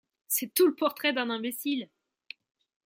C'est tout le portrait d'un imbécile !